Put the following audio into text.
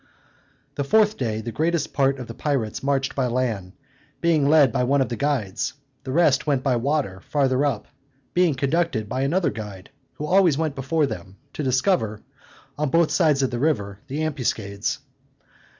The fourth day the greatest part of the pirates marched by land, being led by one of the guides; the rest went by water farther up, being conducted by another guide, who always went before them, to discover, on both sides of the river, the ambuscades.